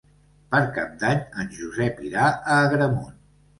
Per Cap d'Any en Josep irà a Agramunt.